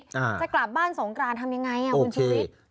จะกลับบ้านสงกรานทำยังไงอ่ะคุณชีวิต